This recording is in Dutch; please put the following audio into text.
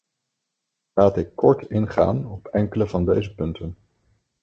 Laat ik kort ingaan op enkele van deze punten.